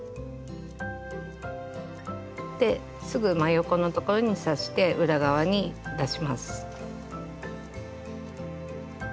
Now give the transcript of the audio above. ですぐ真横のところに刺して裏側に出します。